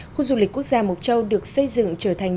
khu du lịch quốc gia mộc châu được xây dựng trở thành